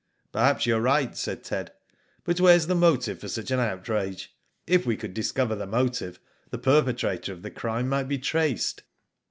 Perhaps you are right/' said Ted ;" but where is the motive for such an outrage? If we could discover the motive, the perpetrator of the crime might be traced."